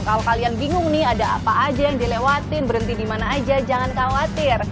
kalau kalian bingung nih ada apa aja yang dilewatin berhenti di mana aja jangan khawatir